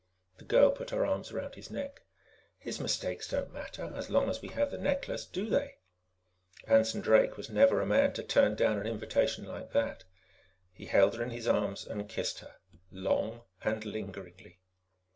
The girl put her arms around his neck. "His mistakes don't matter as long as we have the necklace, do they?" Anson Drake was never a man to turn down an invitation like that. He held her in his arms and kissed her long and lingeringly.